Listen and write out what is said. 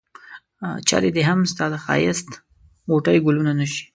چرې دي هم ستا د ښایست غوټۍ ګلونه نه شي.